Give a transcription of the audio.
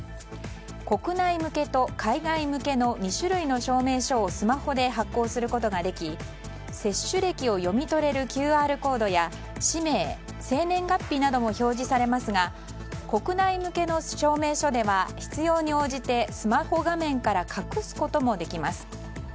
国内向けと海外向けの２種類の証明書をスマホで発行することができ接種歴を読み取れるＱＲコードや氏名、生年月日なども表示されますが国内向けの証明書では必要に応じてスマホ画面から隠すこともできます。